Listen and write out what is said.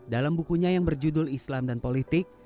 dalam bukunya yang berjudul islam dan politik